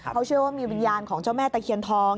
เขาเชื่อว่ามีวิญญาณของเจ้าแม่ตะเคียนทอง